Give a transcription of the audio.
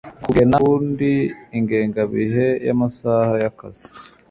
kugena ukundi ingengabihe y amasaha y akazi